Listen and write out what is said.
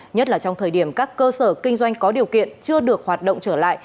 nhất là trong thời điểm các cơ sở kinh doanh có điều kiện chưa được hoạt động trở lại